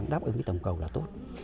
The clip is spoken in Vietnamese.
đáp ứng cái tổng cầu là tốt